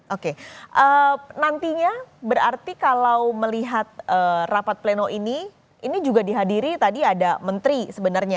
oke nantinya berarti kalau melihat rapat pleno ini ini juga dihadiri tadi ada menteri sebenarnya